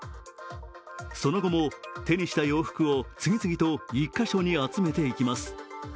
その後も手にした洋服を次々と１か所に集めていきます。